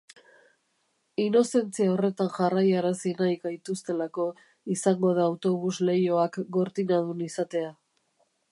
Inozentzia horretan jarraiarazi nahi gaituztelako izango da autobus leihoak gortinadun izatea.